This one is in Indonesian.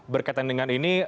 berkaitan dengan ini